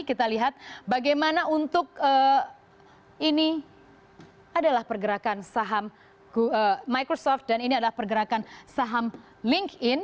kita lihat bagaimana untuk ini adalah pergerakan saham microsoft dan ini adalah pergerakan saham linkedin